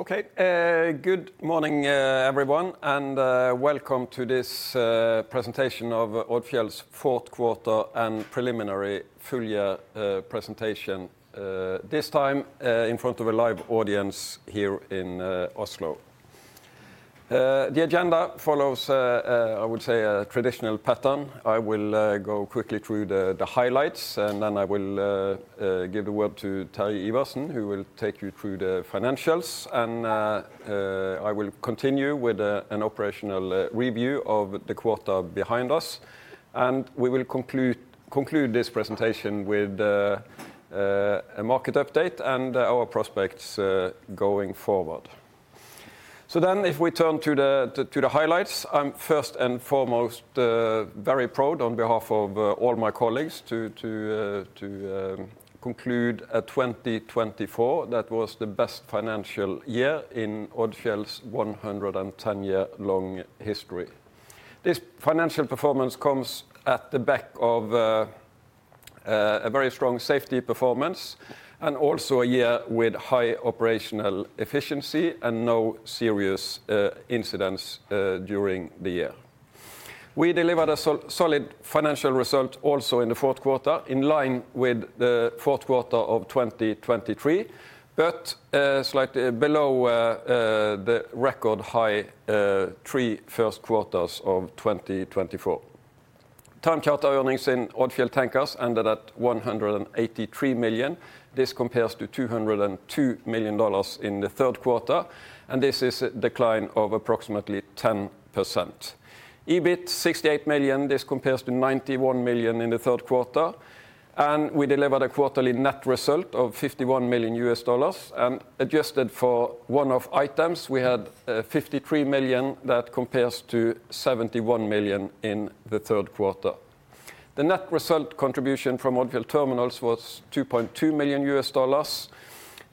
Okay, good morning, everyone, and welcome to this presentation of Odfjell's Q4 and Preliminary Full-Year Presentation, this time in front of a live audience here in Oslo. The agenda follows, I would say, a traditional pattern. I will go quickly through the highlights, and then I will give the word to Terje Iversen, who will take you through the financials, and I will continue with an operational review of the quarter behind us, and we will conclude this presentation with a market update and our prospects going forward, so then, if we turn to the highlights, I'm first and foremost very proud, on behalf of all my colleagues, to conclude a 2024 that was the best financial year in Odfjell's 110-year-long history. This financial performance comes at the back of a very strong safety performance, and also a year with high operational efficiency and no serious incidents during the year. We delivered a solid financial result also in the Q4, in line with the Q4 of 2023, but slightly below the record high three first quarters of 2024. Time Charter Earnings in Odfjell Tankers ended at $183 million. This compares to $202 million in the Q3, and this is a decline of approximately 10%. EBIT, $68 million, this compares to $91 million in the Q3. And we delivered a quarterly net result of $51 million, and adjusted for one-off items, we had $53 million that compares to $71 million in the Q3. The net result contribution from Odfjell Terminals was $2.2 million.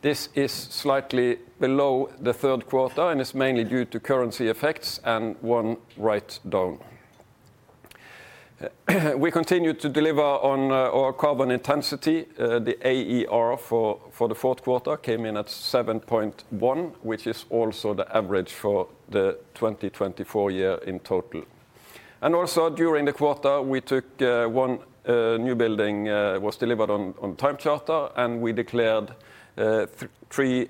This is slightly below the Q3, and it's mainly due to currency effects and one write-down. We continued to deliver on our carbon intensity. The AER for the Q4 came in at 7.1, which is also the average for the 2024 year in total. Also, during the quarter, we took one newbuilding that was delivered on time charter, and we declared three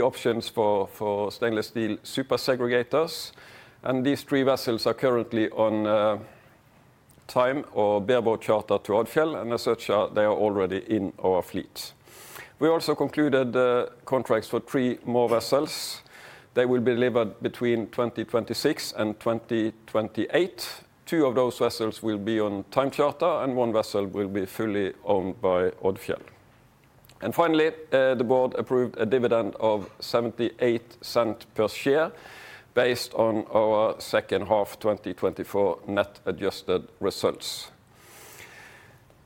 options for stainless steel super segregators. These three vessels are currently on time or bareboat charter to Odfjell, and as such, they are already in our fleet. We also concluded contracts for three more vessels. They will be delivered between 2026 and 2028. Two of those vessels will be on time charter, and one vessel will be fully owned by Odfjell. Finally, the board approved a dividend of $0.78 per share based on our second half 2024 net adjusted results.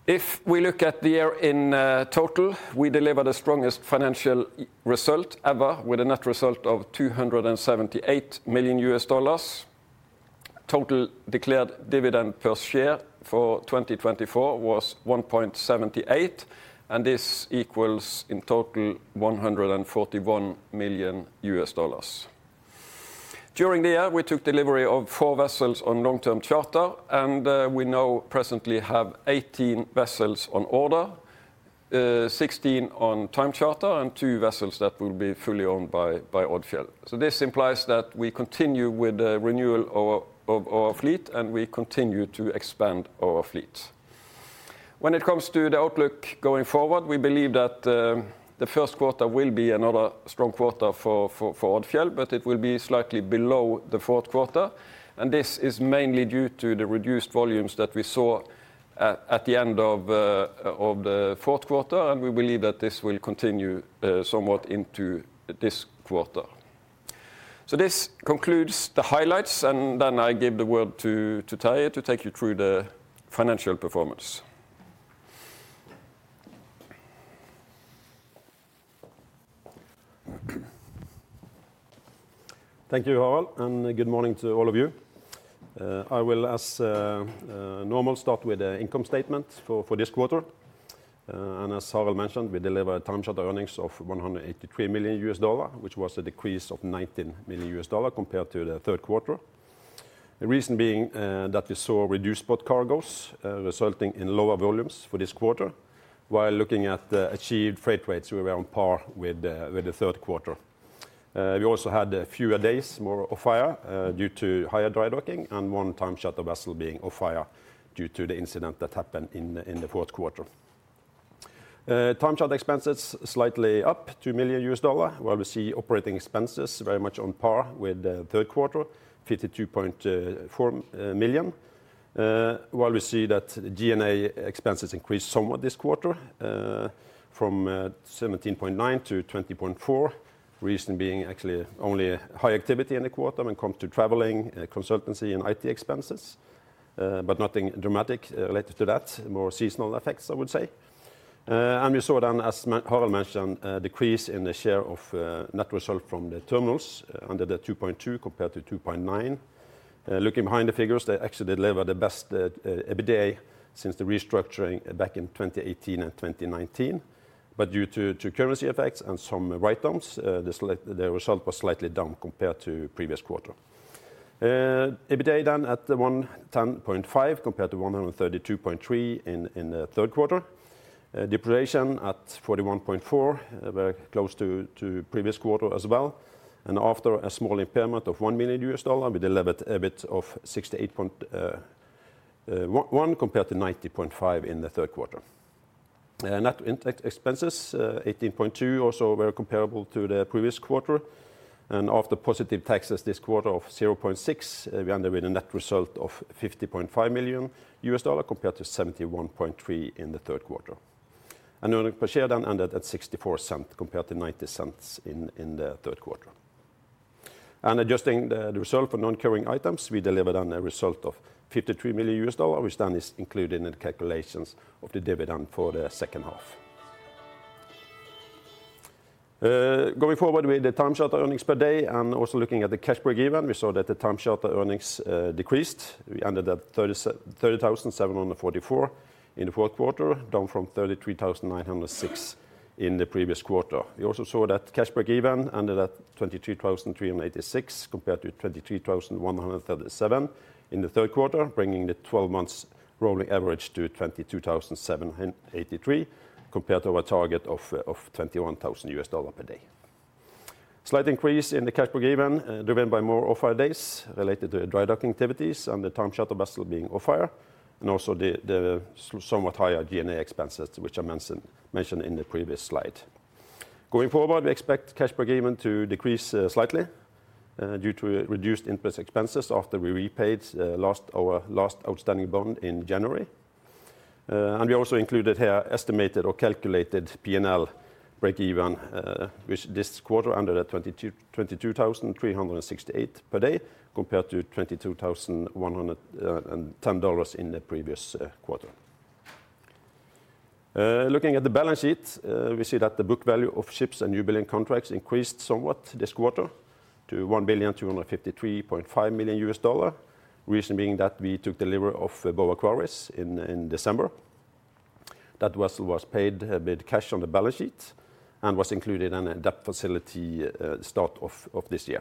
If we look at the year in total, we delivered the strongest financial result ever with a net result of $278 million. Total declared dividend per share for 2024 was $1.78, and this equals in total $141 million. During the year, we took delivery of four vessels on long-term charter, and we now presently have 18 vessels on order, 16 on time charter, and two vessels that will be fully owned by Odfjell. So this implies that we continue with the renewal of our fleet, and we continue to expand our fleet. When it comes to the outlook going forward, we believe that the Q1 will be another strong quarter for Odfjell, but it will be slightly below the Q4. And this is mainly due to the reduced volumes that we saw at the end of the Q4, and we believe that this will continue somewhat into this quarter. So this concludes the highlights, and then I give the word to Terje to take you through the financial performance. Thank you, Harald, and good morning to all of you. I will, as normal, start with the income statement for this quarter. And as Harald mentioned, we delivered time charter earnings of $183 million, which was a decrease of $19 million compared to the Q3. The reason being that we saw reduced spot cargoes resulting in lower volumes for this quarter, while looking at achieved freight rates, we were on par with the Q3. We also had fewer days, more off-hire, due to higher drydocking, and one time charter vessel being off-hire due to the incident that happened in the Q4. Time charter expenses slightly up $2 million, while we see operating expenses very much on par with the Q3, $52.4 million, while we see that G&A expenses increased somewhat this quarter, from $17.9 million-$20.4 million, reason being actually only high activity in the quarter when it comes to traveling, consultancy, and IT expenses, but nothing dramatic related to that, more seasonal effects, I would say, and we saw then, as Harald mentioned, a decrease in the share of net result from the terminals under $2.2 million compared to $2.9 million. Looking behind the figures, they actually delivered the best EBITDA since the restructuring back in 2018 and 2019, but due to currency effects and some write-downs, the result was slightly down compared to previous quarter. EBITDA then at $110.5 million compared to $132.3 million in the third quarter. Depreciation at $41.4 million, very close to previous quarter as well. After a small impairment of $1 million, we delivered EBIT of $68.1 million compared to $90.5 million in the Q3. Net expenses, $18.2 million, also very comparable to the previous quarter. After positive taxes this quarter of $0.6 million, we underwent a net result of $50.5 million compared to $71.3 million in the Q3. Earnings per share then ended at $0.64 compared to $0.90 in the Q3. Adjusting the result for non-recurring items, we delivered a result of $53 million, which then is included in the calculations of the dividend for the second half. Going forward with the time charter earnings per day and also looking at the cash break-even, we saw that the time charter earnings decreased. We ended at $30,744 in the Q4, down from $33,906 in the previous quarter. We also saw that cash break even ended at 23,386 compared to 23,137 in the Q3, bringing the 12-month rolling average to 22,783 compared to our target of $21,000 per day. Slight increase in the cash break even driven by more off-hire days related to dry-docking activities and the time charter vessel being off-hire, and also the somewhat higher G&A expenses, which I mentioned in the previous slide. Going forward, we expect cash break even to decrease slightly due to reduced interest expenses after we repaid our last outstanding bond in January, and we also included here estimated or calculated P&L break even, which this quarter ended at 22,368 per day compared to $22,110 in the previous quarter. Looking at the balance sheet, we see that the book value of ships and newbuilding contracts increased somewhat this quarter to $1,253.5 million, reason being that we took delivery of Bow Aquarius in December. That vessel was paid with cash on the balance sheet and was included in a debt facility start of this year.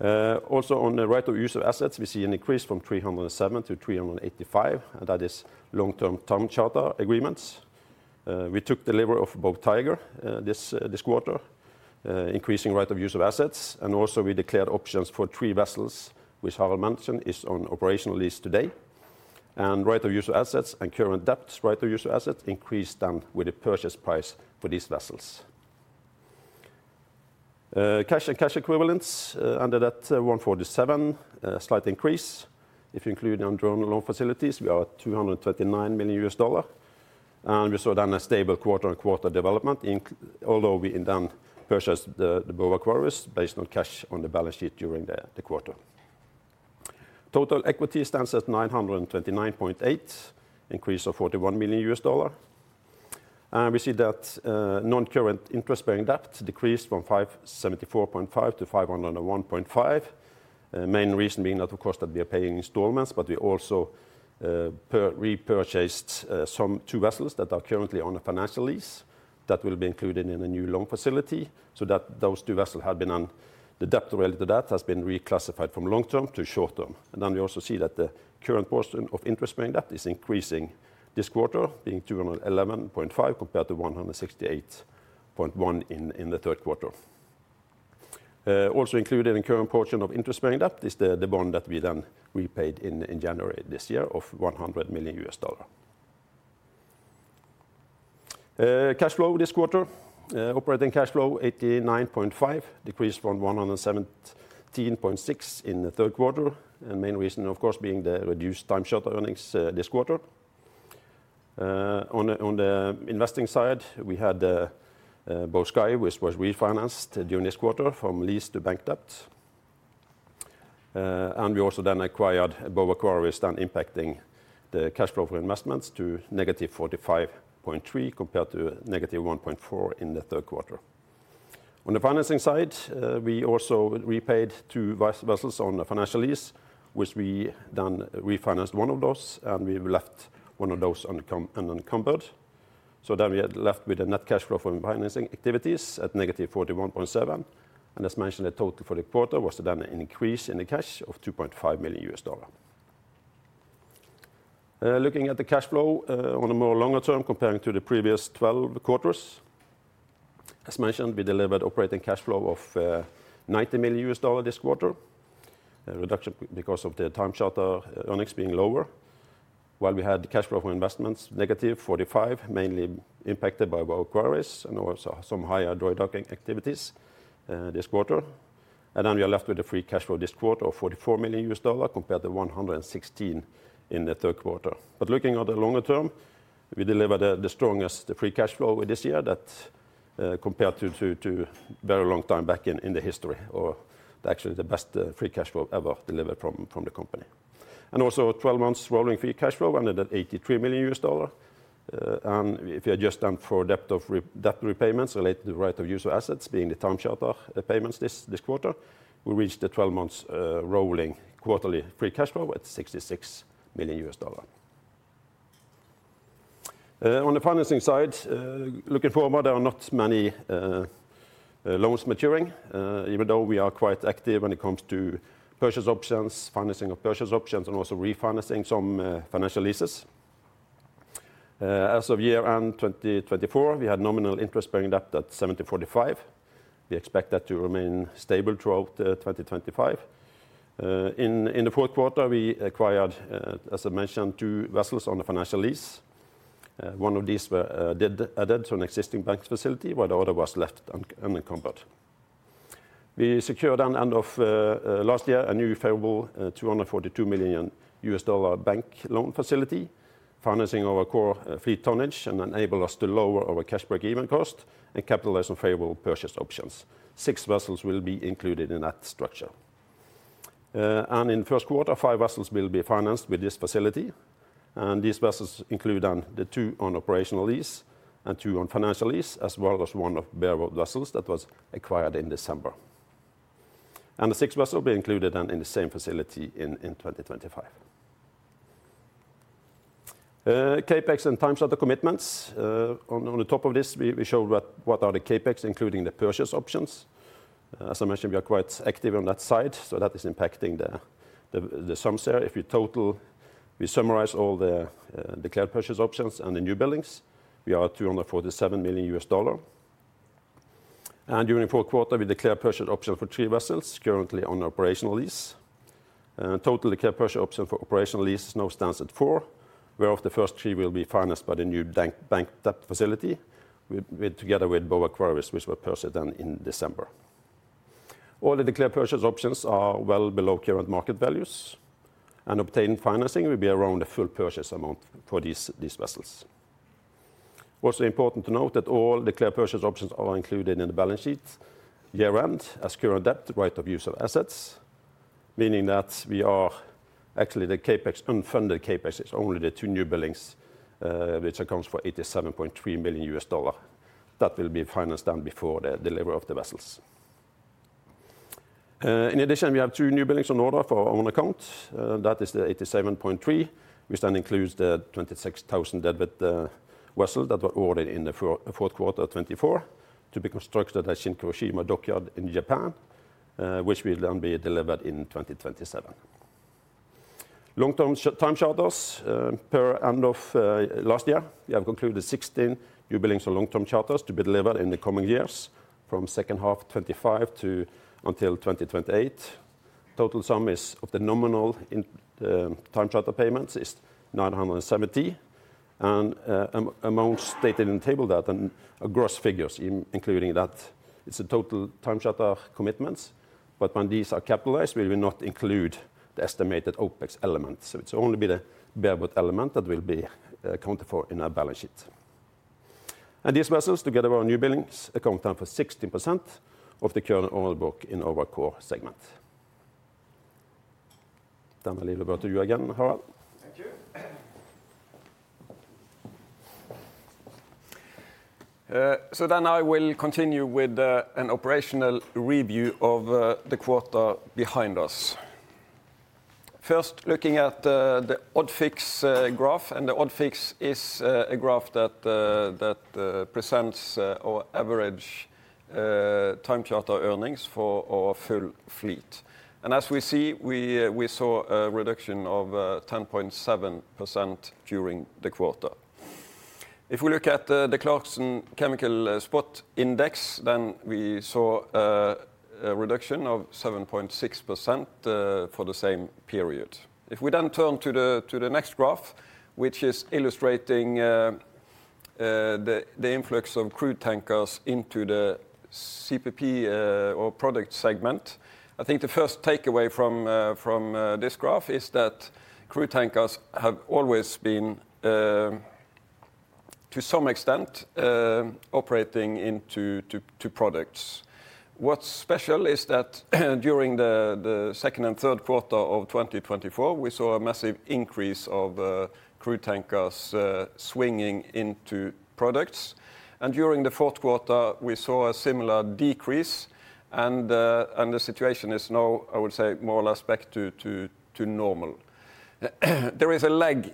Also, on the right-of-use assets, we see an increase from 307 to 385, and that is long-term charter agreements. We took delivery of Bow Tiger this quarter, increasing right-of-use assets, and also we declared options for three vessels, which Harald mentioned is on operational lease today. And right-of-use assets and current debt right-of-use assets increased then with the purchase price for these vessels. Cash and cash equivalents under that 147, slight increase. If you include non-drawn loan facilities, we are at $239 million. We saw then a stable quarter-on-quarter development, although we then purchased the Bow Aquarius based on cash on the balance sheet during the quarter. Total equity stands at $929.8 million, increase of $41 million. We see that non-current interest-bearing debt decreased from $745 to $501.5 million, main reason being that, of course, we are paying installments, but we also repurchased two vessels that are currently on a financial lease that will be included in a new loan facility so that the debt related to those two vessels has been reclassified from long-term to short-term. We also see that the current portion of interest-bearing debt is increasing this quarter, being $211.5 million compared to $168.1 million in the Q3. Also included in the current portion of interest-bearing debt is the bond that we then repaid in January this year of $100 million. Operating cash flow this quarter [was] 89.5, decreased from 117.6 in the Q3, and the main reason, of course, being the reduced time charter earnings this quarter. On the investing side, we had Bow Sky, which was refinanced during this quarter from lease to bank debt. And we also then acquired Bow Aquarius, then impacting the cash flow for investments to negative 45.3 compared to negative 1.4 in the Q3. On the financing side, we also repaid two vessels on the financial lease, which we then refinanced one of those, and we left one of those unencumbered. We are left with a net cash flow for financing activities at negative 41.7. As mentioned, the total for the quarter was then an increase in the cash of $2.5 million. Looking at the cash flow on a more longer term compared to the previous 12 quarters, as mentioned, we delivered operating cash flow of $90 million this quarter, reduction because of the time charter earnings being lower, while we had cash flow for investments negative $45 million, mainly impacted by Bow Aquarius and also some higher drydocking activities this quarter. Then we are left with a free cash flow this quarter of $44 million compared to $116 million in the third quarter. Looking at the longer term, we delivered the strongest free cash flow this year that compared to a very long time back in the history, or actually the best free cash flow ever delivered from the company. And also, 12 months rolling free cash flow under the $83 million. And if you adjust them for debt repayments related to right-of-use assets, being the time charter payments this quarter, we reached the 12 months rolling quarterly free cash flow at $66 million. On the financing side, looking forward, there are not many loans maturing, even though we are quite active when it comes to purchase options, financing of purchase options, and also refinancing some financial leases. As of year-end 2024, we had nominal interest-bearing debt at $704.5 million. We expect that to remain stable throughout 2025. In the Q4, we acquired, as I mentioned, two vessels on the financial lease. One of these were added to an existing bank facility, while the other was left unencumbered. We secured at the end of last year a new favorable $242 million bank loan facility, financing our core fleet tonnage and enabled us to lower our cash break-even cost and capitalize on favorable purchase options. Six vessels will be included in that structure. In the Q1, five vessels will be financed with this facility. These vessels include then the two on operational lease and two on financial lease, as well as one of the bareboat vessels that was acquired in December. The six vessels will be included then in the same facility in 2025. CapEx and time charter commitments. On top of this, we showed what are the CapEx, including the purchase options. As I mentioned, we are quite active on that side, so that is impacting the sums here. If we summarize all the declared purchase options and the newbuildings, we are at $247 million. And during the Q4, we declared purchase options for three vessels currently on operational lease. Total declared purchase options for operational lease now stands at four, whereof the first three will be financed by the new bank debt facility together with Bow Aquarius, which were purchased then in December. All the declared purchase options are well below current market values, and obtained financing will be around the full purchase amount for these vessels. Also important to note that all declared purchase options are included in the balance sheet year-end as current debt, right-of-use assets, meaning that we are actually the CapEx, unfunded CapEx, is only the two newbuildings, which accounts for $87.3 million that will be financed then before the delivery of the vessels. In addition, we have two newbuildings on order for our own account. That is the $87.3, which then includes the 26,000 dwt vessel that was ordered in the Q4 of 2024 to be constructed at Shin Kurushima Dockyard in Japan, which will then be delivered in 2027. Long-term time charters, as per end of last year, we have concluded 16 newbuildings for long-term charters to be delivered in the coming years from second half 2025 to until 2028. Total sum is of the nominal time charter payments is $970. And as stated in the table, there are then gross figures, including that it's a total time charter commitments, but when these are capitalized, we will not include the estimated OPEX element. So it's only the bareboat element that will be accounted for in our balance sheet. These vessels together with our newbuildings account then for 16% of the current order book in our core segment. I'll leave the word to you again, Harald. Thank you. I will continue with an operational review of the quarter behind us. First, looking at the ODFIX graph, and the ODFIX is a graph that presents our average time charter earnings for our full fleet. As we see, we saw a reduction of 10.7% during the quarter. If we look at the Clarksons Chemical Spot Index, then we saw a reduction of 7.6% for the same period. If we then turn to the next graph, which is illustrating the influx of crude tankers into the CPP or product segment, I think the first takeaway from this graph is that crude tankers have always been, to some extent, operating into products. What's special is that during the second and Q3 of 2024, we saw a massive increase of crude tankers swinging into products, and during the Q4, we saw a similar decrease, and the situation is now, I would say, more or less back to normal. There is a lag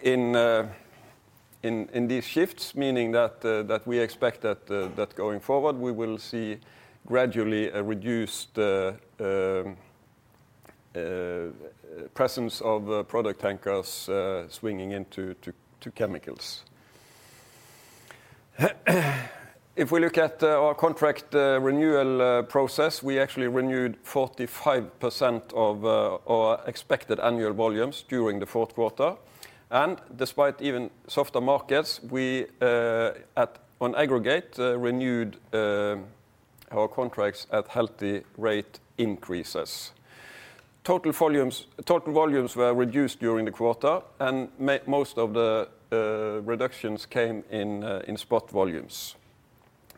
in these shifts, meaning that we expect that going forward, we will see gradually a reduced presence of product tankers swinging into chemicals. If we look at our contract renewal process, we actually renewed 45% of our expected annual volumes during the Q4, and despite even softer markets, we actually renewed our contracts at healthy rate increases. Total volumes were reduced during the quarter, and most of the reductions came in spot volumes.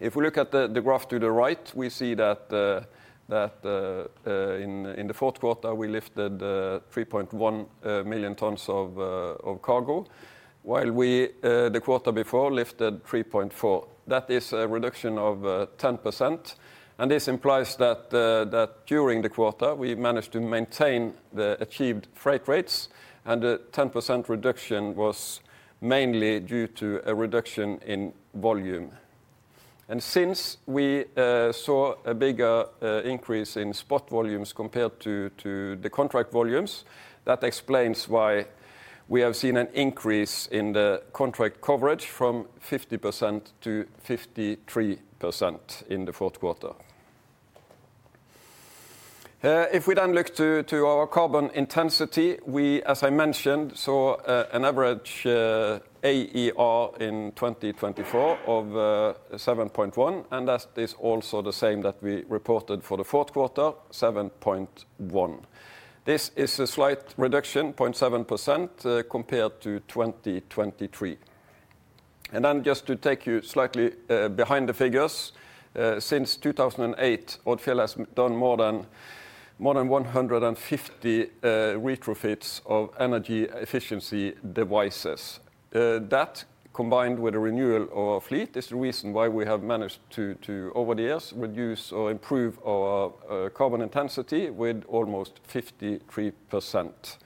If we look at the graph to the right, we see that in the Q4, we lifted 3.1 million tons of cargo, while the quarter before lifted 3.4. That is a reduction of 10%. And this implies that during the quarter, we managed to maintain the achieved freight rates, and the 10% reduction was mainly due to a reduction in volume. And since we saw a bigger increase in spot volumes compared to the contract volumes, that explains why we have seen an increase in the contract coverage from 50% to 53% in the Q4. If we then look to our carbon intensity, we, as I mentioned, saw an average AER in 2024 of 7.1, and that is also the same that we reported for the Q4, 7.1. This is a slight reduction, 0.7% compared to 2023. Then just to take you slightly behind the figures, since 2008, Odfjell has done more than 150 retrofits of energy efficiency devices. That, combined with the renewal of our fleet, is the reason why we have managed to, over the years, reduce or improve our carbon intensity with almost 53%.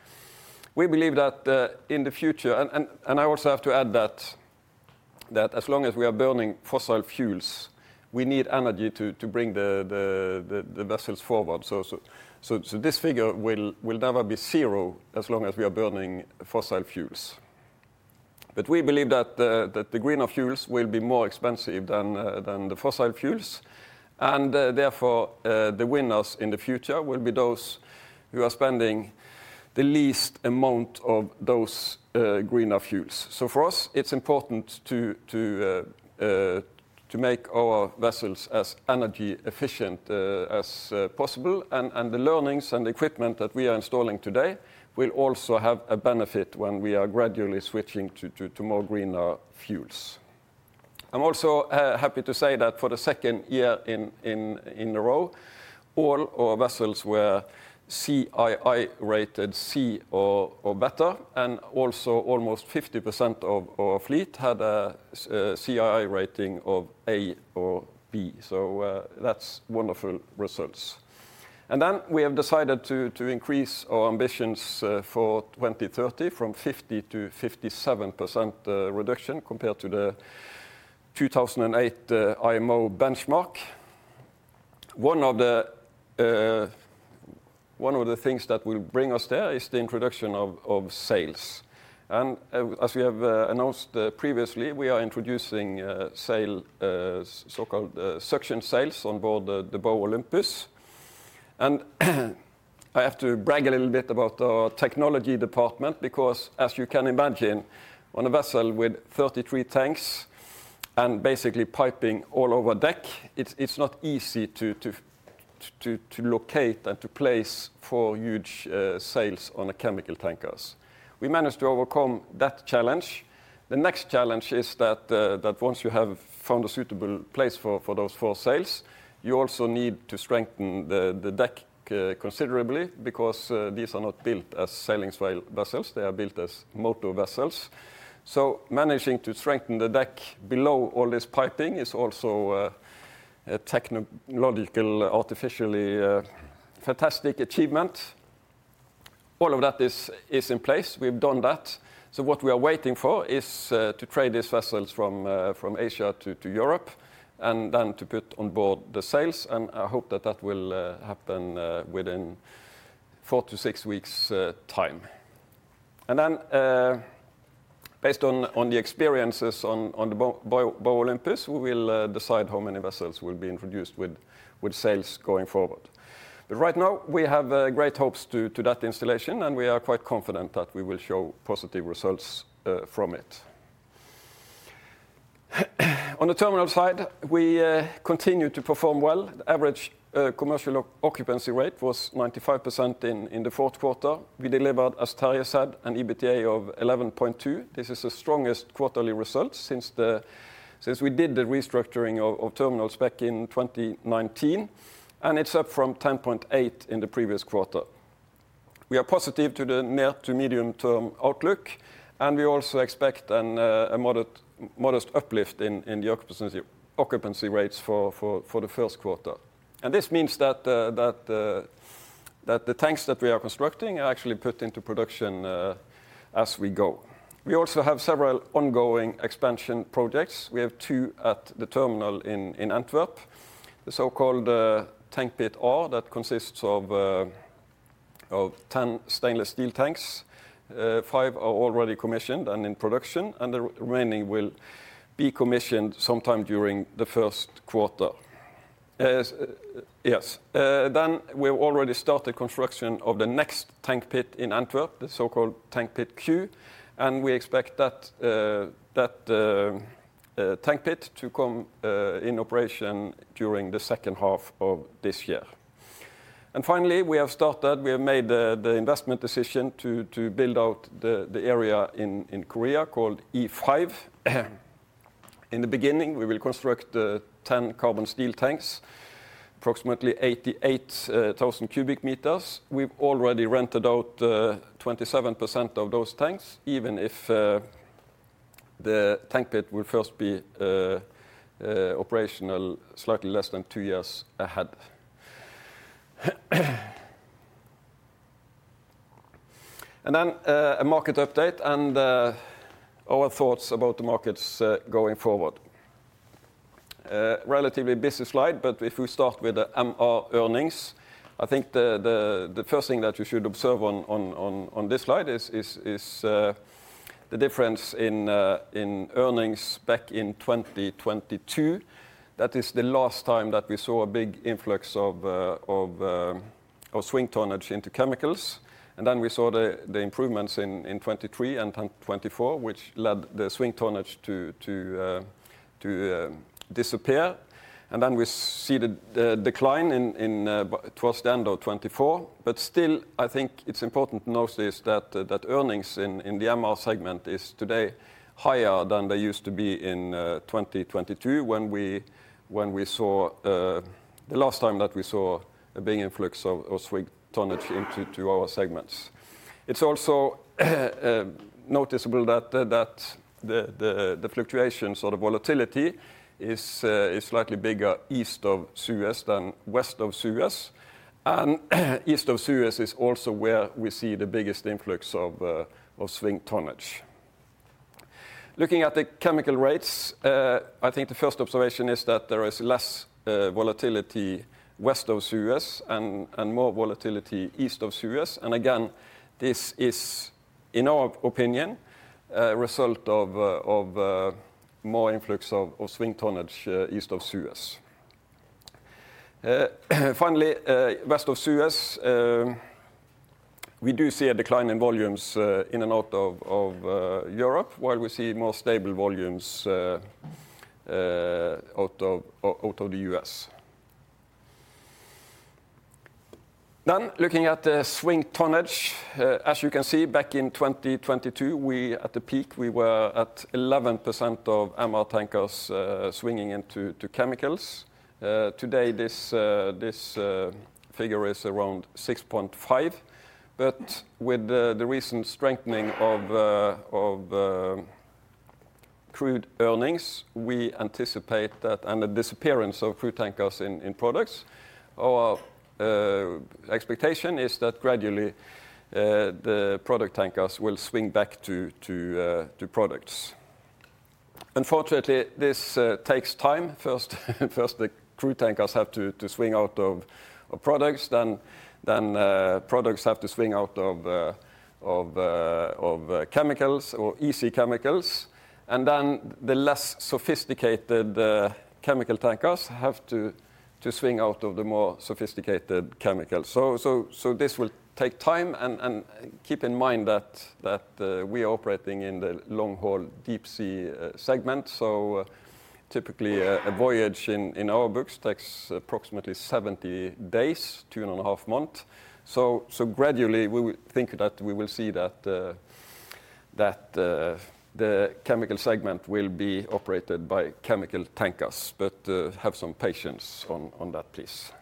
We believe that in the future, and I also have to add that as long as we are burning fossil fuels, we need energy to bring the vessels forward. This figure will never be zero as long as we are burning fossil fuels. We believe that the greener fuels will be more expensive than the fossil fuels, and therefore the winners in the future will be those who are spending the least amount of those greener fuels. For us, it's important to make our vessels as energy efficient as possible, and the learnings and the equipment that we are installing today will also have a benefit when we are gradually switching to more greener fuels. I'm also happy to say that for the second year in a row, all our vessels were CII rated C or better, and also almost 50% of our fleet had a CII rating of A or B. That's wonderful results. We have decided to increase our ambitions for 2030 from 50% to 57% reduction compared to the 2008 IMO benchmark. One of the things that will bring us there is the introduction of sails. As we have announced previously, we are introducing sails, so-called suction sails, on board the Bow Olympus. I have to brag a little bit about our technology department because, as you can imagine, on a vessel with 33 tanks and basically piping all over deck, it's not easy to locate and to place four huge sails on the chemical tankers. We managed to overcome that challenge. The next challenge is that once you have found a suitable place for those four sails, you also need to strengthen the deck considerably because these are not built as sailing vessels. They are built as motor vessels. Managing to strengthen the deck below all this piping is also a technological and really fantastic achievement. All of that is in place. We've done that. What we are waiting for is to trade these vessels from Asia to Europe and then to put on board the sails. I hope that that will happen within four to six weeks' time. Based on the experiences on the Bow Olympus, we will decide how many vessels will be introduced with sails going forward. But right now, we have great hopes to that installation, and we are quite confident that we will show positive results from it. On the terminal side, we continue to perform well. The average commercial occupancy rate was 95% in the Q4. We delivered, as Terje said, an EBITDA of 11.2. This is the strongest quarterly result since we did the restructuring of terminals back in 2019, and it's up from 10.8 in the previous quarter. We are positive to the near to medium-term outlook, and we also expect a modest uplift in the occupancy rates for the Q1. This means that the tanks that we are constructing are actually put into production as we go. We also have several ongoing expansion projects. We have two at the terminal in Antwerp, the so-called Tank Pit R that consists of 10 stainless steel tanks. Five are already commissioned and in production, and the remaining will be commissioned sometime during the Q1. Yes. Then we've already started construction of the next tank pit in Antwerp, the so-called Tank Pit Q, and we expect that tank pit to come in operation during the second half of this year. And finally, we have started, we have made the investment decision to build out the area in Korea called E5. In the beginning, we will construct 10 carbon steel tanks, approximately 88,000 cubic meters. We've already rented out 27% of those tanks, even if the tank pit will first be operational slightly less than two years ahead. And then a market update and our thoughts about the markets going forward. Relatively busy slide, but if we start with the MR earnings, I think the first thing that you should observe on this slide is the difference in earnings back in 2022. That is the last time that we saw a big influx of swing tonnage into chemicals, and then we saw the improvements in 2023 and 2024, which led the swing tonnage to disappear, and then we see the decline in towards the end of 2024. But still, I think it's important to notice that earnings in the MR segment is today higher than they used to be in 2022 when we saw the last time that we saw a big influx of swing tonnage into our segments. It's also noticeable that the fluctuation, sort of volatility, is slightly bigger east of Suez than west of Suez. East of Suez is also where we see the biggest influx of swing tonnage. Looking at the chemical rates, I think the first observation is that there is less volatility west of Suez and more volatility east of Suez. Again, this is, in our opinion, a result of more influx of swing tonnage east of Suez. Finally, west of Suez, we do see a decline in volumes in and out of Europe, while we see more stable volumes out of the U.S. Then looking at the swing tonnage, as you can see, back in 2022, at the peak, we were at 11% of MR tankers swinging into chemicals. Today, this figure is around 6.5%. But with the recent strengthening of crude earnings, we anticipate that, and the disappearance of clean tankers in products, our expectation is that gradually the product tankers will swing back to products. Unfortunately, this takes time. First, the crude tankers have to swing out of products, then products have to swing out of chemicals or easy chemicals. And then the less sophisticated chemical tankers have to swing out of the more sophisticated chemicals. So this will take time. And keep in mind that we are operating in the long-haul deep-sea segment. So typically, a voyage in our books takes approximately 70 days, two and a half months. So gradually, we think that we will see that the chemical segment will be operated by chemical tankers, but have some patience on that piece.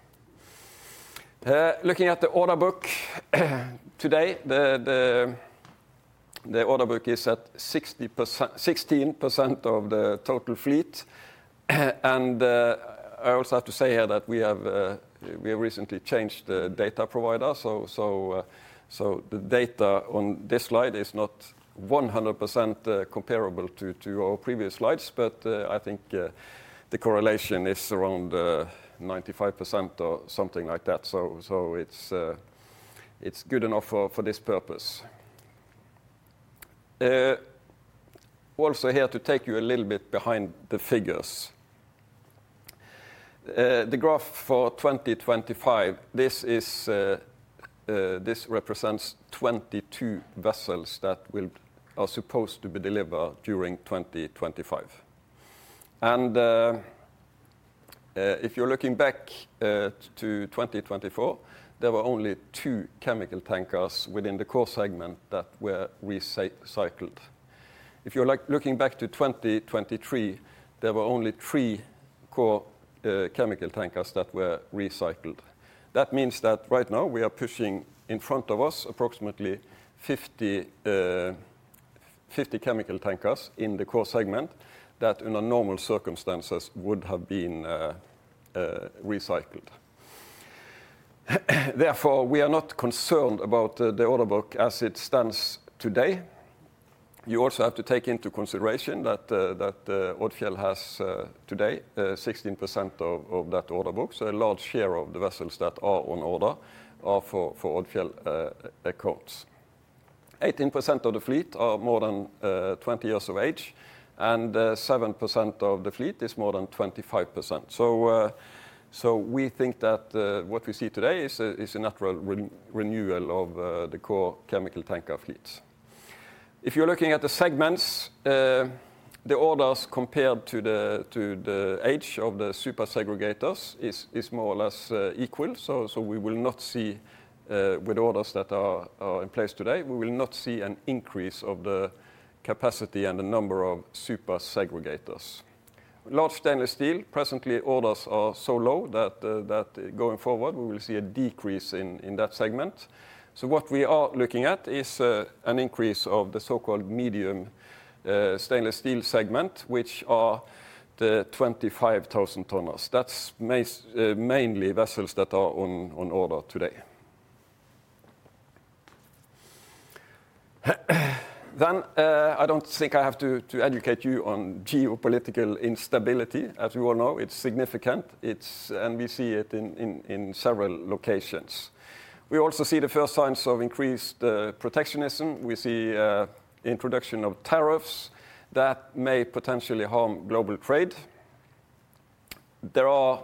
Looking at the order book today, the order book is at 16% of the total fleet. And I also have to say here that we have recently changed the data provider. So the data on this slide is not 100% comparable to our previous slides, but I think the correlation is around 95% or something like that. So it's good enough for this purpose. Also here to take you a little bit behind the figures. The graph for 2025, this represents 22 vessels that are supposed to be delivered during 2025. And if you're looking back to 2024, there were only two chemical tankers within the core segment that were recycled. If you're looking back to 2023, there were only three core chemical tankers that were recycled. That means that right now, we are pushing in front of us approximately 50 chemical tankers in the core segment that under normal circumstances would have been recycled. Therefore, we are not concerned about the order book as it stands today. You also have to take into consideration that Odfjell has today 16% of that order book, so a large share of the vessels that are on order are for Odfjell accounts. 18% of the fleet are more than 20 years of age, and 7% of the fleet is more than 25%. So we think that what we see today is a natural renewal of the core chemical tanker fleets. If you're looking at the segments, the orders compared to the age of the super segregators is more or less equal. So we will not see with orders that are in place today, we will not see an increase of the capacity and the number of super segregators. Large stainless steel, presently, orders are so low that going forward, we will see a decrease in that segment. So what we are looking at is an increase of the so-called medium stainless steel segment, which are the 25,000 tonners. That's mainly vessels that are on order today. Then I don't think I have to educate you on geopolitical instability. As you all know, it's significant, and we see it in several locations. We also see the first signs of increased protectionism. We see the introduction of tariffs that may potentially harm global trade. There are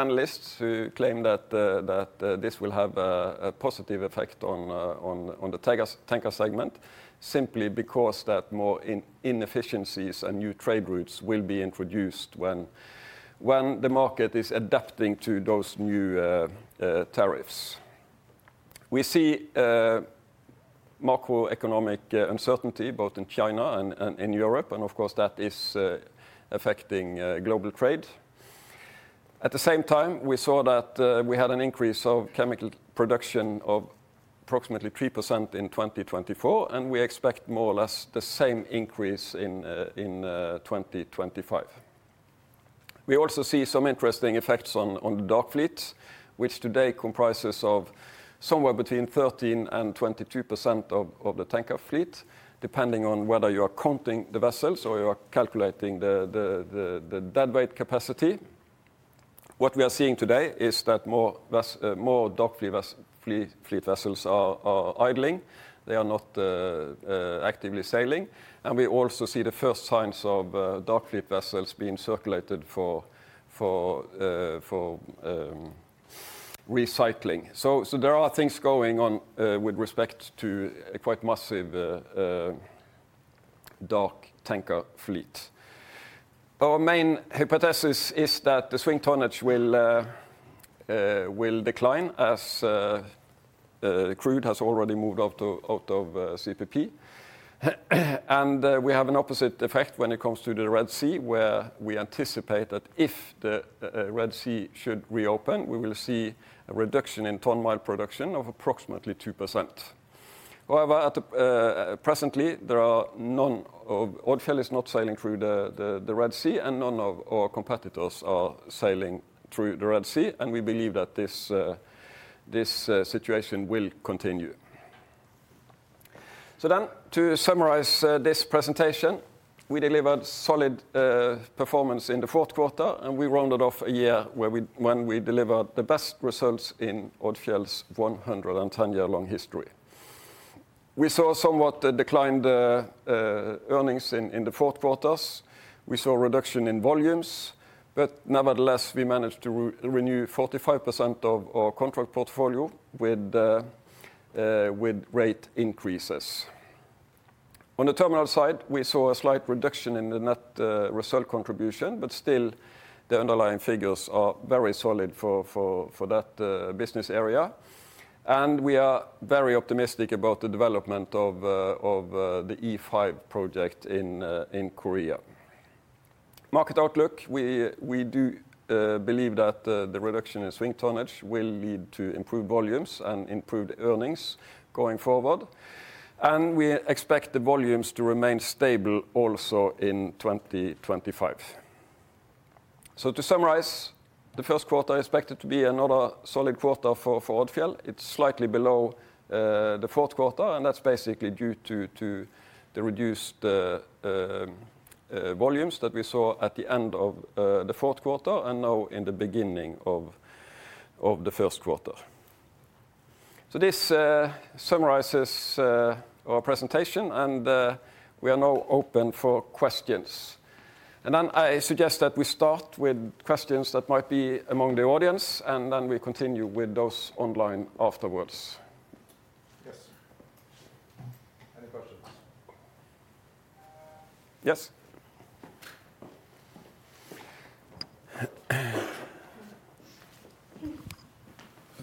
analysts who claim that this will have a positive effect on the tanker segment simply because that more inefficiencies and new trade routes will be introduced when the market is adapting to those new tariffs. We see macroeconomic uncertainty both in China and in Europe, and of course, that is affecting global trade. At the same time, we saw that we had an increase of chemical production of approximately 3% in 2024, and we expect more or less the same increase in 2025. We also see some interesting effects on the dark fleet, which today comprises of somewhere between 13% and 22% of the tanker fleet, depending on whether you are counting the vessels or you are calculating the deadweight capacity. What we are seeing today is that more dark fleet vessels are idling. They are not actively sailing. And we also see the first signs of dark fleet vessels being circulated for recycling. So there are things going on with respect to a quite massive dark tanker fleet. Our main hypothesis is that the swing tonnage will decline as crude has already moved out of CPP. We have an opposite effect when it comes to the Red Sea, where we anticipate that if the Red Sea should reopen, we will see a reduction in ton-mile production of approximately 2%. However, presently, Odfjell is not sailing through the Red Sea, and none of our competitors are sailing through the Red Sea. We believe that this situation will continue. To summarize this presentation, we delivered solid performance in the Q4, and we rounded off a year when we delivered the best results in Odfjell's 110-year-long history. We saw somewhat declined earnings in the Q4. We saw a reduction in volumes, but nevertheless, we managed to renew 45% of our contract portfolio with rate increases. On the terminal side, we saw a slight reduction in the net result contribution, but still, the underlying figures are very solid for that business area, and we are very optimistic about the development of the E5 project in Korea. Market outlook, we do believe that the reduction in swing tonnage will lead to improved volumes and improved earnings going forward, and we expect the volumes to remain stable also in 2025. To summarize, the Q1 is expected to be another solid quarter for Odfjell. It's slightly below the Q4 and that's basically due to the reduced volumes that we saw at the end of the Q4 and now in the beginning of the Q4. This summarizes our presentation, and we are now open for questions. And then I suggest that we start with questions that might be among the audience, and then we continue with those online afterwards. Yes. Any questions? Yes.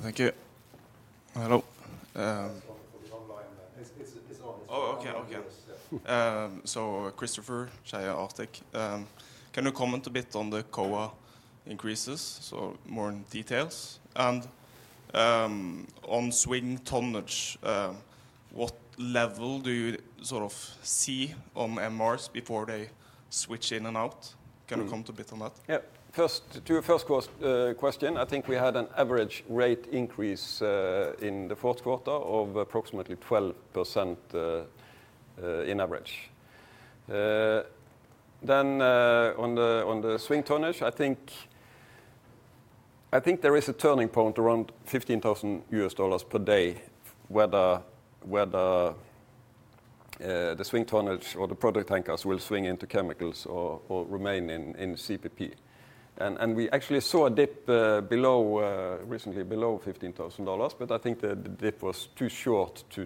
Thank you. Hello. It's online. Oh, okay, okay. So, Kristoffer from Arctic, can you comment a bit on the COA increases, so more details? And on swing tonnage, what level do you sort of see on MRs before they switch in and out? Can you comment a bit on that? Yeah. To your first question, I think we had an average rate increase in the Q4 of approximately 12% in average. Then on the swing tonnage, I think there is a turning point around $15,000 per day whether the swing tonnage or the product tankers will swing into chemicals or remain in CPP. And we actually saw a dip recently below $15,000, but I think the dip was too short to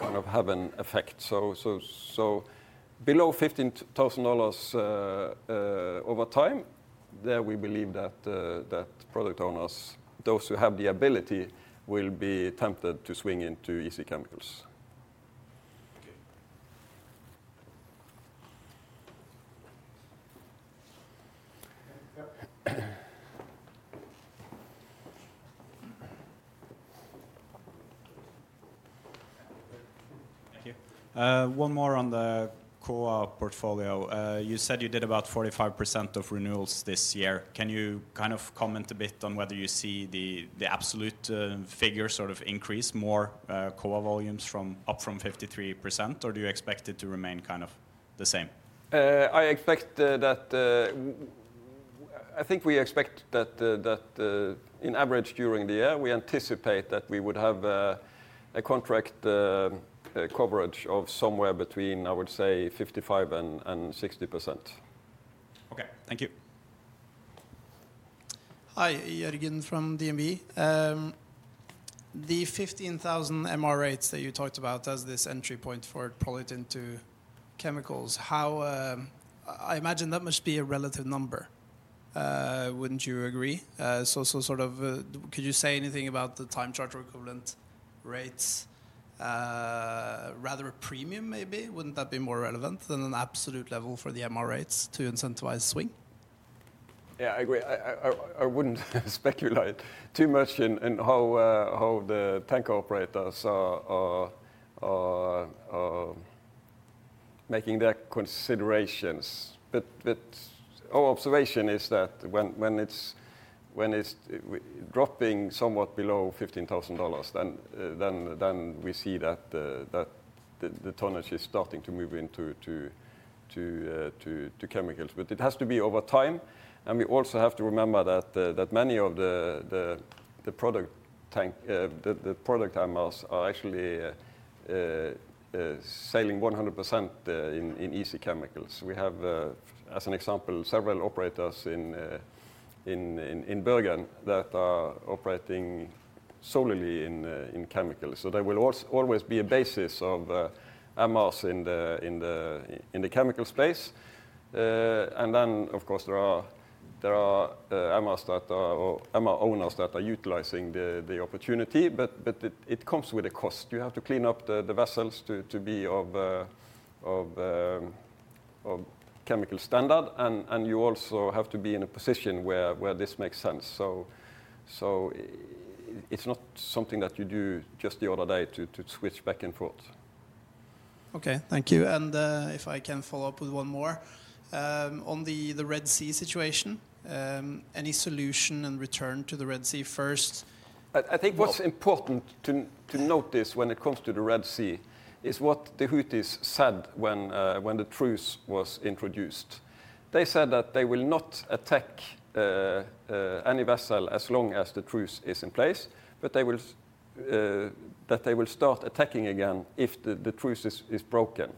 kind of have an effect. So below $15,000 over time, there we believe that product owners, those who have the ability, will be tempted to swing into easy chemicals. Thank you. One more on the COA portfolio. You said you did about 45% of renewals this year. Can you kind of comment a bit on whether you see the absolute figure sort of increase more COA volumes up from 53%, or do you expect it to remain kind of the same? I think we expect that in average during the year, we anticipate that we would have a contract coverage of somewhere between, I would say, 55% and 60%. Okay. Thank you. Hi, Jørgen from DNB.The 15,000 MR rates that you talked about as this entry point for it probably into chemicals, I imagine that must be a relative number, wouldn't you agree? So sort of could you say anything about the time charter or equivalent rates, rather premium maybe? Wouldn't that be more relevant than an absolute level for the MR rates to incentivize swing? Yeah, I agree. I wouldn't speculate too much in how the tanker operators are making their considerations. But our observation is that when it's dropping somewhat below $15,000, then we see that the tonnage is starting to move into chemicals. But it has to be over time. And we also have to remember that many of the product MRs are actually sailing 100% in easy chemicals. We have, as an example, several operators in Bergen that are operating solely in chemicals. So there will always be a basis of MRs in the chemical space. And then, of course, there are MR owners that are utilizing the opportunity, but it comes with a cost. You have to clean up the vessels to be of chemical standard. And you also have to be in a position where this makes sense. So it's not something that you do just the other day to switch back and forth. Okay. Thank you. And if I can follow up with one more on the Red Sea situation, any solution and return to the Red Sea first? I think what's important to note this when it comes to the Red Sea is what the Houthis said when the truce was introduced. They said that they will not attack any vessel as long as the truce is in place, but that they will start attacking again if the truce is broken,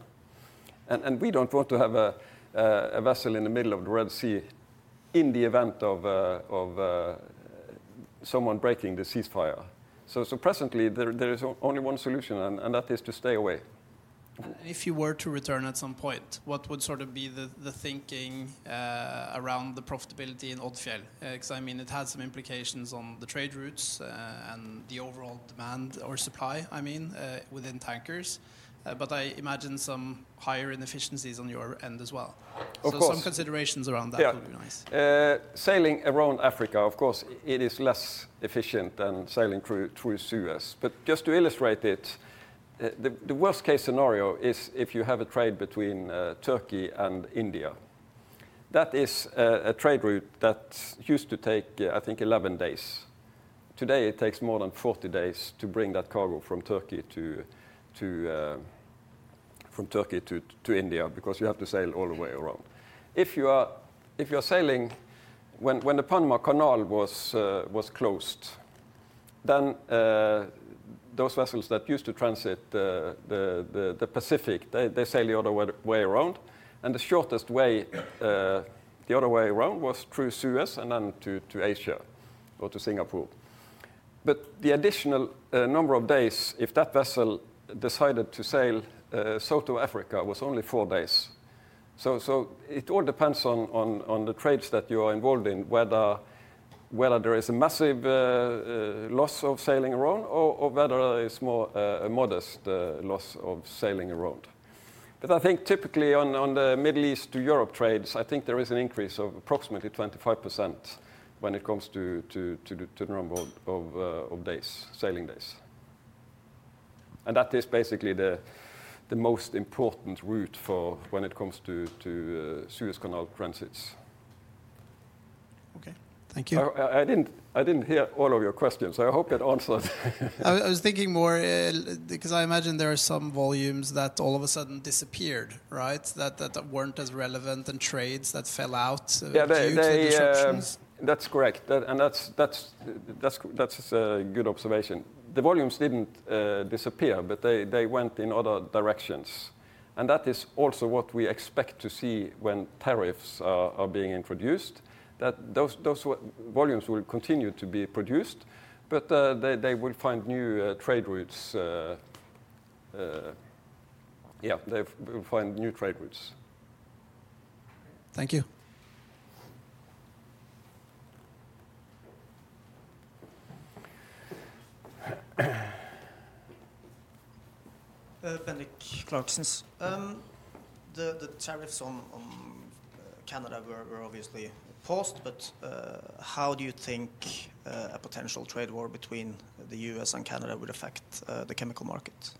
and we don't want to have a vessel in the middle of the Red Sea in the event of someone breaking the ceasefire, so presently, there is only one solution, and that is to stay away. If you were to return at some point, what would sort of be the thinking around the profitability in Odfjell? Because I mean, it has some implications on the trade routes and the overall demand or supply, I mean, within tankers, but I imagine some higher inefficiencies on your end as well, so some considerations around that would be nice. Sailing around Africa, of course, it is less efficient than sailing through Suez. But just to illustrate it, the worst-case scenario is if you have a trade between Turkey and India. That is a trade route that used to take, I think, 11 days. Today, it takes more than 40 days to bring that cargo from Turkey to India because you have to sail all the way around. If you are sailing when the Panama Canal was closed, then those vessels that used to transit the Pacific, they sail the other way around. And the shortest way, the other way around, was through Suez and then to Asia or to Singapore. But the additional number of days, if that vessel decided to sail south of Africa, was only four days. So it all depends on the trades that you are involved in, whether there is a massive loss of sailing around or whether there is more a modest loss of sailing around. But I think typically on the Middle East to Europe trades, I think there is an increase of approximately 25% when it comes to the number of sailing days. And that is basically the most important route when it comes to Suez Canal transits. Okay. Thank you. I didn't hear all of your questions. I hope it answered. I was thinking more because I imagine there are some volumes that all of a sudden disappeared, right? That weren't as relevant and trades that fell out. Yeah, they disappeared. That's correct. And that's a good observation. The volumes didn't disappear, but they went in other directions. And that is also what we expect to see when tariffs are being introduced, that those volumes will continue to be produced, but they will find new trade routes. Yeah, they will find new trade routes. Thank you. Bendik, Clarksons, the tariffs on Canada were obviously paused, but how do you think a potential trade war between the U.S. and Canada would affect the chemical market?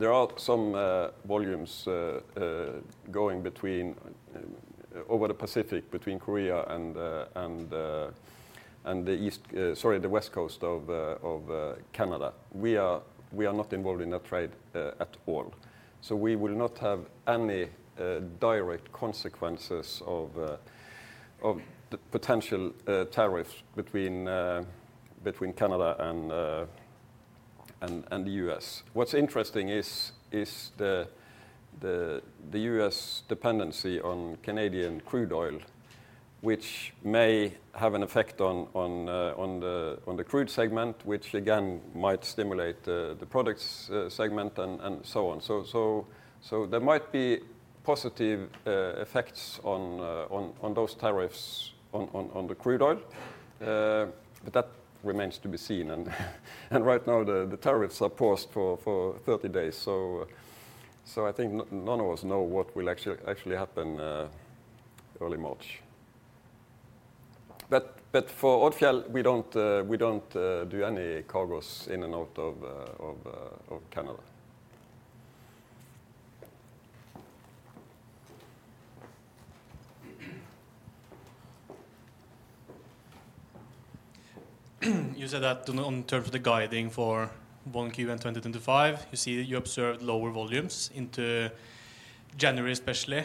There are some volumes going over the Pacific between Korea and the West Coast of Canada. We are not involved in that trade at all. So we will not have any direct consequences of the potential tariffs between Canada and the U.S. What's interesting is the U.S. dependency on Canadian crude oil, which may have an effect on the crude segment, which again might stimulate the products segment and so on. So there might be positive effects on those tariffs on the crude oil, but that remains to be seen. Right now, the tariffs are paused for 30 days. So I think none of us know what will actually happen early March. But for Odfjell, we don't do any cargoes in and out of Canada. You said that in terms of the guiding for 1Q and 2025, you observed lower volumes into January, especially.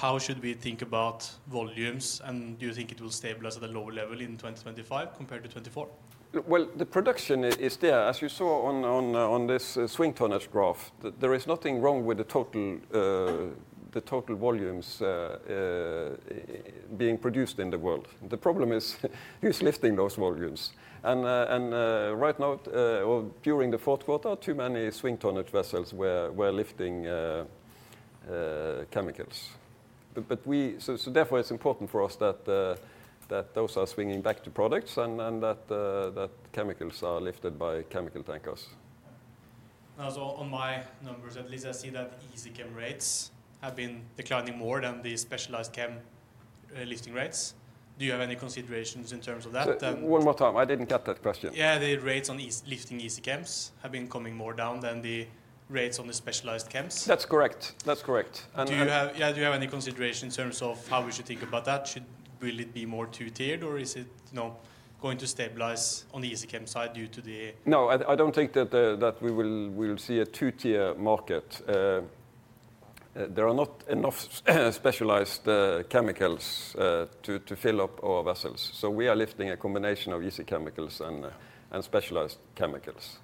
How should we think about volumes, and do you think it will stabilize at a lower level in 2025 compared to 2024? Well, the production is there. As you saw on this swing tonnage graph, there is nothing wrong with the total volumes being produced in the world. The problem is who's lifting those volumes. And right now, during the Q4, too many swing tonnage vessels were lifting chemicals. So therefore, it's important for us that those are swinging back to products and that chemicals are lifted by chemical tankers. On my numbers, at least I see that easy chem rates have been declining more than the specialized chem lifting rates. Do you have any considerations in terms of that? One more time. I didn't get that question. Yeah, the rates on lifting easy chems have been coming more down than the rates on the specialized chems. That's correct. That's correct. Yeah, do you have any consideration in terms of how we should think about that? Should it be more two-tiered, or is it going to stabilize on the easy chem side due to the? No, I don't think that we will see a two-tier market. There are not enough specialized chemicals to fill up our vessels. So we are lifting a combination of easy chemicals and specialized chemicals.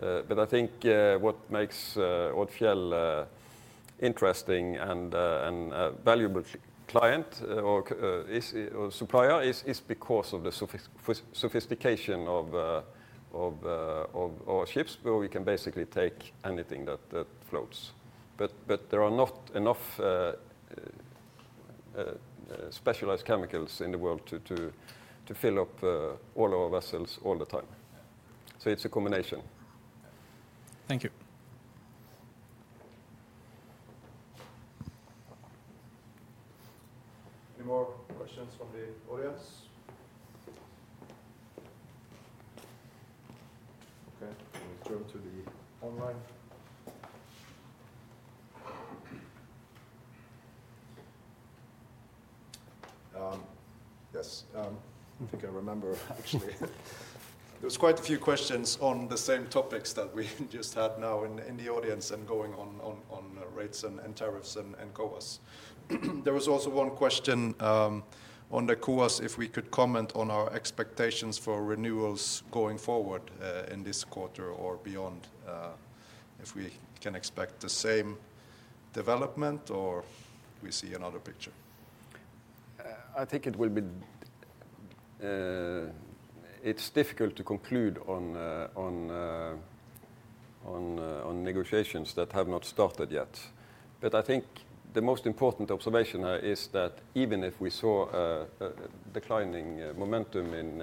But I think what makes Odfjell interesting and a valuable client or supplier is because of the sophistication of our ships, where we can basically take anything that floats. But there are not enough specialized chemicals in the world to fill up all our vessels all the time. So it's a combination. Thank you. Any more questions from the audience? Okay. Let's jump to the online. Yes. I think I remember, actually. There were quite a few questions on the same topics that we just had now in the audience and going on rates and tariffs and COAs. There was also one question on the COAs, if we could comment on our expectations for renewals going forward in this quarter or beyond, if we can expect the same development or we see another picture. I think it's difficult to conclude on negotiations that have not started yet. I think the most important observation is that even if we saw a declining momentum in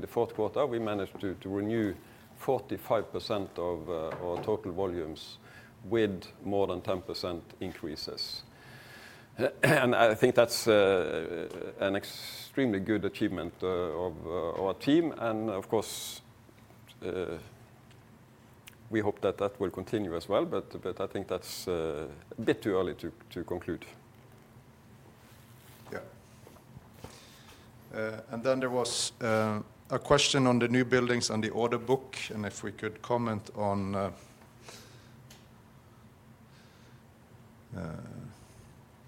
the Q4, we managed to renew 45% of our total volumes with more than 10% increases. And I think that's an extremely good achievement of our team. And of course, we hope that that will continue as well. But I think that's a bit too early to conclude. Yeah. And then there was a question on the newbuildings and the order book, and if we could comment on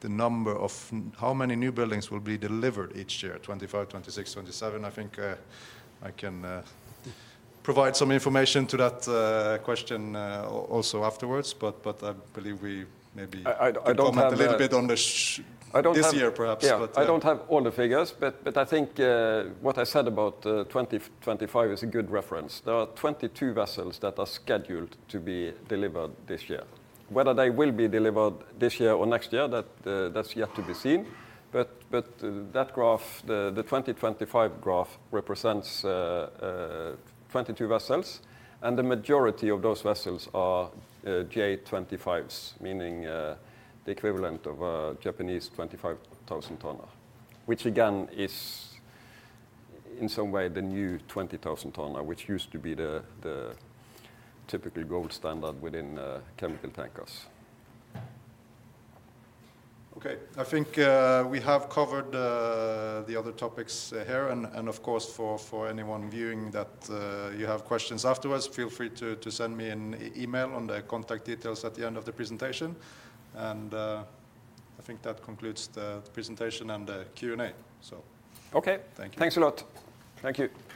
the number of how many newbuildings will be delivered each year, 2025, 2026, 2027. I think I can provide some information to that question also afterwards, but I believe we maybe comment a little bit on this year, perhaps. I don't have all the figures, but I think what I said about 2025 is a good reference. There are 22 vessels that are scheduled to be delivered this year. Whether they will be delivered this year or next year, that's yet to be seen. But the 2025 graph represents 22 vessels, and the majority of those vessels are J25s, meaning the equivalent of a Japanese 25,000 tonner, which again is in some way the new 20,000 tonner, which used to be the typical gold standard within chemical tankers. Okay. I think we have covered the other topics here. And of course, for anyone viewing that you have questions afterwards, feel free to send me an email on the contact details at the end of the presentation. And I think that concludes the presentation and the Q&A. So. Okay. Thank you. Thanks a lot. Thank you.